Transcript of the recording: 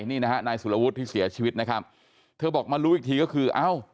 นี่นะฮะนายสุรวุฒิที่เสียชีวิตนะครับเธอบอกมารู้อีกทีก็คือเอ้า